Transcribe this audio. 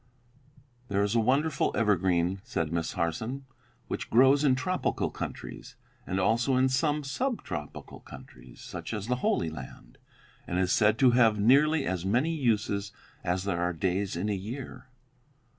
"There is a wonderful evergreen," said Miss Harson, "which grows in tropical countries, and also in some sub tropical countries, such as the Holy Land, and is said to have nearly as many uses as there are days in a year.